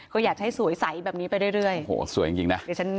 ก็อยากให้สวยใสแบบนี้ไปเรื่อยโอ้โหสวยจริงนะ